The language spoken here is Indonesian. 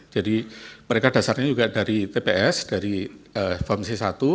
jadi mereka dasarnya juga dari tps dari fomc satu